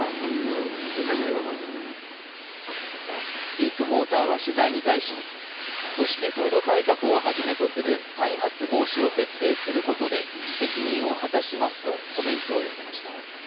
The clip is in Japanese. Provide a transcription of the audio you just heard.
ビッグモーターは取材に対し、組織風土改革をはじめとする再発防止を徹底することで責任を果たしますとコメントを寄せました。